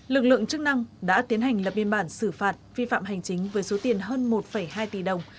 lực lượng chức năng đã tiến hành lập biên bản xử phạt vi phạm hành chính với số tiền hơn một hai tỷ đồng